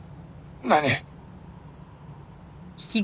何！？